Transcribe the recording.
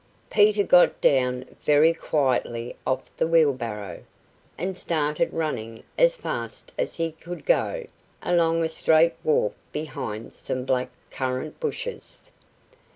Peter got down very quietly off the wheelbarrow, and started running as fast as he could go, along a straight walk behind some black currant bushes.